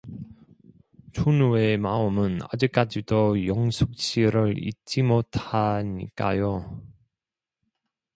춘우의 마음은 아직까지도 영숙 씨를 잊지 못 하니까 요.